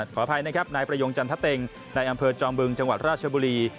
ขออภัยนะครับนายประยงจันทะเต็งในอำเภอจอมบึงจังหวัดราชบุรี